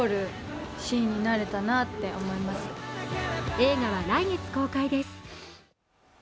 映画は来月公開です。